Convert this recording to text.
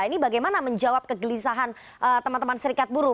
ini bagaimana menjawab kegelisahan teman teman serikat buruh